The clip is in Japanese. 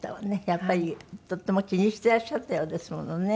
やっぱりとても気にしていらっしゃったようですものね。